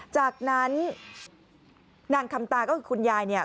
จากนั้นนางคำตาก็คือคุณยายเนี่ย